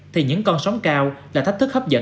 thì những con sóng cao là thách thức hấp dẫn